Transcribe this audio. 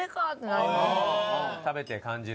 食べて感じる？